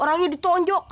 orangnya ditonjok kak